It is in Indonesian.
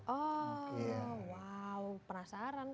oh wow penasaran kan